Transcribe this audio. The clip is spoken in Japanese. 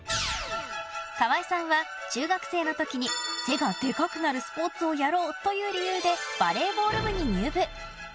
川合さんは中学生の時に背がでかくなるスポーツをやろうという理由でバレーボール部に入部。